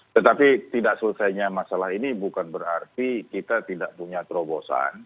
tetapi tidak selesainya masalah ini bukan berarti kita tidak punya terobosan